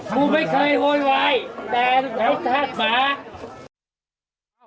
กูไม่เคยโวยวายแต่แถวธาตุหมา